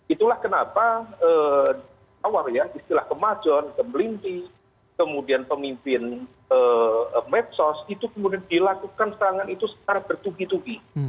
itulah kenapa tawar ya istilah kemajon kemelinti kemudian pemimpin medsos itu kemudian dilakukan serangan itu secara bertugi tugi